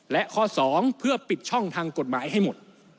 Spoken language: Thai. และข้อ๒เพื่อปิดช่องทางกฎหมายให้หมด